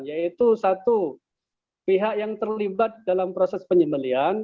yaitu satu pihak yang terlibat dalam proses penyembelian